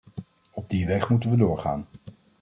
Op die weg moeten we doorgaan.